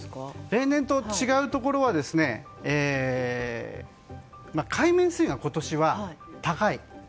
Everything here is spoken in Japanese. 例年と違うところは海面水温が今年は高い。